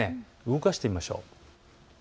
動かしてみましょう。